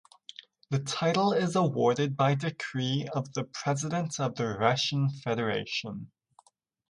The title is awarded by decree of the President of the Russian Federation.